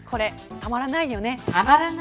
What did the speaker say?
たまらないね。